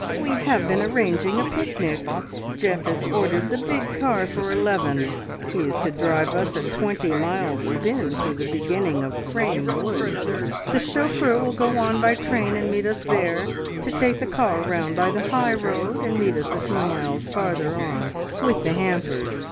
... We have been arranging a picnic. Geoff has ordered the big car for eleven. He is to drive us a twenty mile spin to the beginning of Frame Woods. The chauffeur will go on by train and meet us there, to take the car round by the high road and meet us a few miles farther on with the hampers.